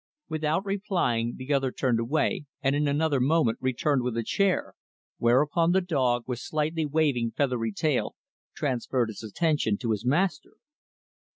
Without replying, the other turned away and in another moment returned with a chair; whereupon the dog, with slightly waving, feathery tail, transferred his attention to his master.